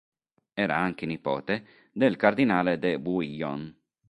Era anche nipote del Cardinale de Bouillon.